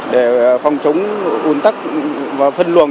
để phòng chống ủn tắc và phân luồng